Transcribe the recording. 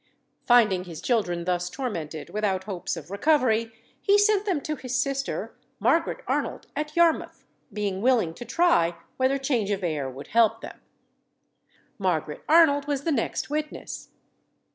Finding his children thus tormented without hopes of recovery, he sent them to his sister, Margaret Arnold, at Yarmouth, being willing to try whether change of air would help them. "Margaret Arnold was the next witness.